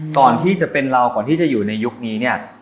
ก่อนที่จะเป็นเราก่อนที่จะอยู่ในยุคนี้เนี่ย